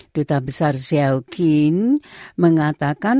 duta besar zhao xin mengatakan